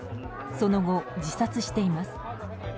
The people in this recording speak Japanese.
その後、自殺しています。